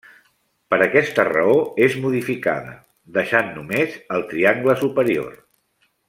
Per aquesta raó és modificada, deixant només el triangle superior.